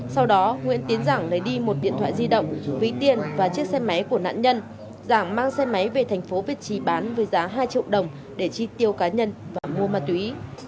sau đó nguyễn tiến giảng lấy đi một điện thoại di động ví tiền và chiếc xe máy của nạn nhân giảng mang xe máy về thành phố việt trì bán với giá hai triệu đồng để chi tiêu cá nhân và mua ma túy